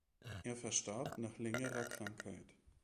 Er verstarb nach längerer Krankheit.